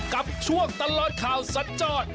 กับช่วงตลอดข่าวสัญจร